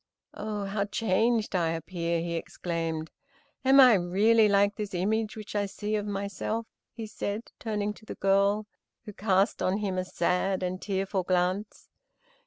"Oh, how changed I appear," he exclaimed. "Am I really like this image which I see of myself?" he said, turning to the girl, who cast on him a sad and tearful glance.